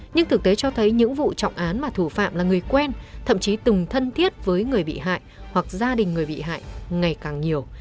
nhưng thực tế cho thấy những vụ trọng án mà thủ phạm là người quen thậm chí từng thân thiết với người bị hại hoặc gia đình người bị hại ngày càng nhiều